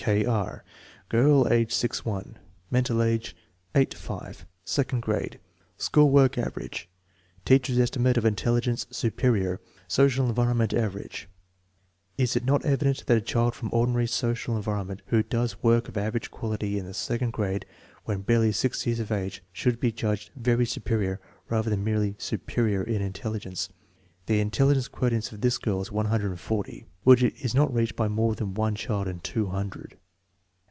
K. R. Girl, age 6 1; mental age 8 5; second grade; school work "average"; teacher's estimate of intelligence "superior"; social en vironment "average" Is it not evident that a child from ordinary social environment, who does work of average quality in the second grade when barely 6 years of age, should be judged "very superior" rather than merely "superior" in intelligence? The intelligence quotient of this girl is 140, which is not reached by more than one child in two hundred.